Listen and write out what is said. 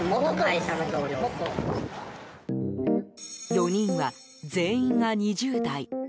４人は全員が２０代。